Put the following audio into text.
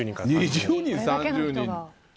２０人、３０人。